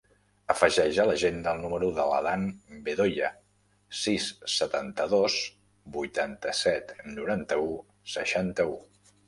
Afegeix a l'agenda el número de l'Adán Bedoya: sis, setanta-dos, vuitanta-set, noranta-u, seixanta-u.